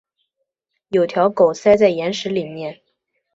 有条狗塞在岩石里面